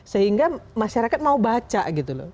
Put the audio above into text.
sehingga masyarakat mau baca gitu loh